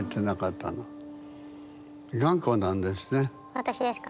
私ですか？